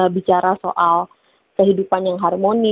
bicara soal kehidupan yang harmoni